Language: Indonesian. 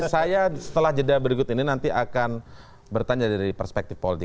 saya setelah jeda berikut ini nanti akan bertanya dari perspektif politik